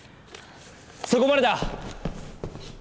そこまでだ！